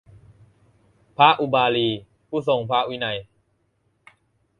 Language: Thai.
พระอุบาลี ผู้ทรงพระวินัย